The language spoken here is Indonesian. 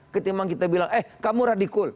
ketika kita bilang eh kamu radikul